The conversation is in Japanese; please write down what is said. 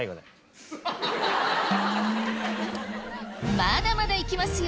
まだまだいきますよ